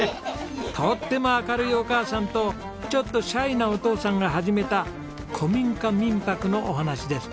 とっても明るいお母さんとちょっとシャイなお父さんが始めた古民家民泊のお話です。